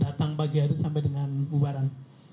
datang pagi hari sampai dengan bubaran